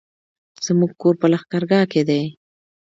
زموږ کور په لښکرګاه کی دی